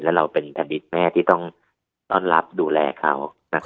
แล้วเราเป็นอดีตแม่ที่ต้องต้อนรับดูแลเขา